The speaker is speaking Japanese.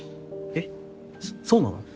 えっそうなの？